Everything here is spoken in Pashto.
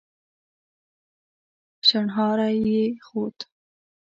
شڼهاری يې خوت.